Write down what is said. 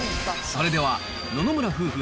それでは野々村夫婦